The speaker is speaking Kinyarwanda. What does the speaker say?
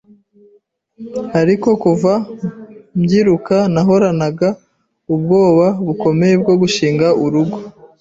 ariko kuva mbyiruka nahoranaga ubwoba bukomeye bwo gushinga urugo